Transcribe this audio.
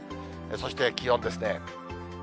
そして気温ですね。